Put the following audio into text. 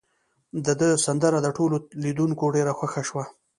د ده سندره د ټولو لیدونکو ډیره خوښه شوه.